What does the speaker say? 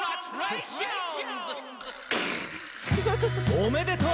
「おめでとう！」